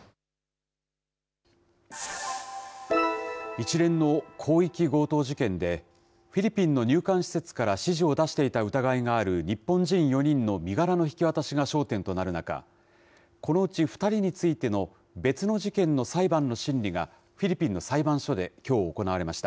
一連の広域強盗事件で、フィリピンの入管施設から指示を出していた疑いがある日本人４人の身柄の引き渡しが焦点となる中、このうち２人についての別の事件の裁判の審理がフィリピンの裁判所できょう行われました。